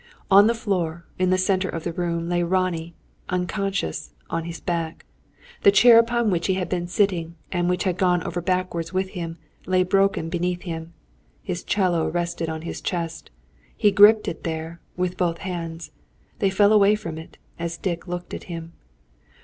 On the floor in the centre of the room lay Ronnie, unconscious, on his back. The chair upon which he had been sitting and which had gone over backwards with him, lay broken beneath him. His 'cello rested on his chest. He gripped it there, with both his hands. They fell away from it, as Dick looked at him.